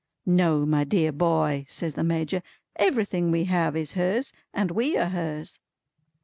"No, my dear boy," says the Major. "Everything we have is hers, and we are hers."